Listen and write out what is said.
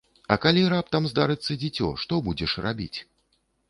А калі раптам здарыцца дзіцё, што будзеш рабіць?